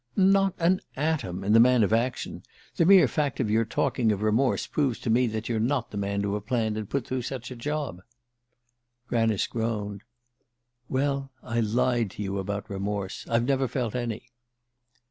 _" "Not an atom: in the man of action. The mere fact of your talking of remorse proves to me that you're not the man to have planned and put through such a job." Granice groaned. "Well I lied to you about remorse. I've never felt any."